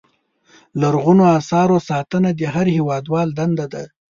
لرغونو اثارو ساتنه د هر هېوادوال دنده ده.